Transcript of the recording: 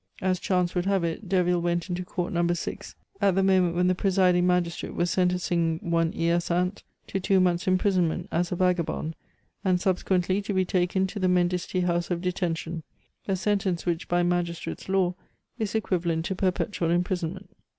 As chance would have it, Derville went into Court Number 6 at the moment when the Presiding Magistrate was sentencing one Hyacinthe to two months' imprisonment as a vagabond, and subsequently to be taken to the Mendicity House of Detention, a sentence which, by magistrates' law, is equivalent to perpetual imprisonment.